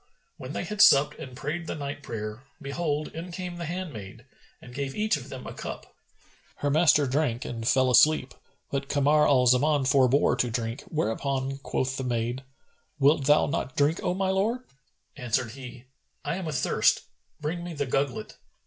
When they had supped and prayed the night prayer, behold, in came the handmaid and gave each of them a cup. Her master drank and fell asleep; but Kamar al Zaman forbore to drink, whereupon quoth the maid, "Wilt thou not drink, O my lord?" Answered he, "I am athirst, bring me the gugglet."